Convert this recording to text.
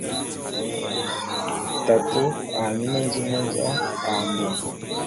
Tate a nyú mendím mé zong ā mbong.